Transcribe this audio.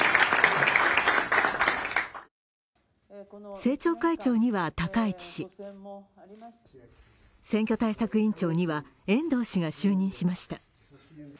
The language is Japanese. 政調会長には高市氏、選挙対策委員長には遠藤氏が就任しました。